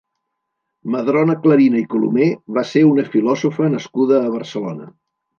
Madrona Clarina i Colomer va ser una filòsofa nascuda a Barcelona.